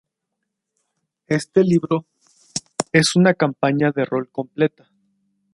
Este libro es una campaña de rol completa.